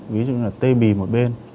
ví dụ như là tê bì một bên